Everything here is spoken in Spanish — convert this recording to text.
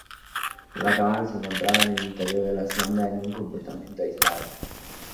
La cámara se encontraba en el interior de la sonda en un compartimiento aislado.